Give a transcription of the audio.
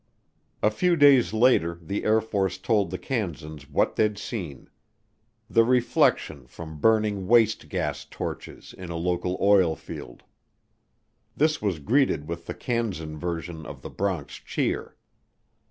A few days later the Air Force told the Kansans what they'd seen: The reflection from burning waste gas torches in a local oil field. This was greeted with the Kansan version of the Bronx Cheer.